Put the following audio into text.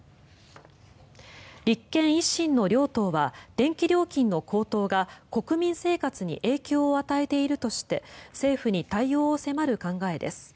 立憲・維新の両党は電気料金の高騰が国民生活に影響を与えているとして政府に対応を迫る考えです。